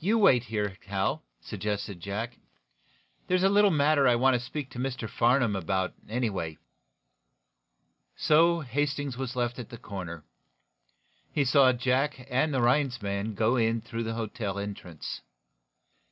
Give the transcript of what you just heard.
"You wait here, Hal," suggested Jack. "There's a little matter I want to speak to Mr. Farnum about, anyway." So Hastings was left at the corner. He saw Jack and the Rhinds man go in through the hotel entrance.